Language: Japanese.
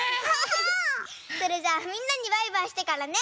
それじゃあみんなにバイバイしてからね。